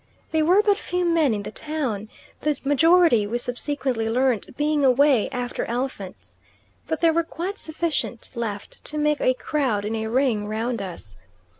There were but few men in the town, the majority, we subsequently learnt, being away after elephants. But there were quite sufficient left to make a crowd in a ring round us.